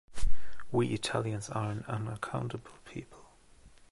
We Italians are an unaccountable people.